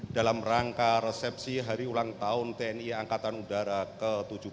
dalam rangka resepsi hari ulang tahun tni angkatan udara ke tujuh puluh dua